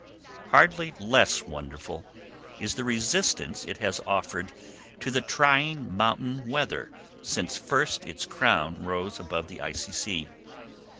Hardly less wonderful is the resistance it has offered to the trying mountain weather since first its crown rose above the icy sea.